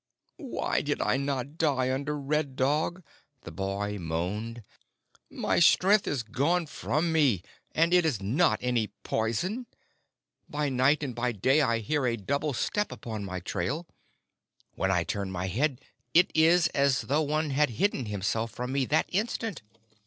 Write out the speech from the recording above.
"Why did I not die under Red Dog?" the boy moaned. "My strength is gone from me, and it is not any poison. By night and by day I hear a double step upon my trail. When I turn my head it is as though one had hidden himself from me that instant.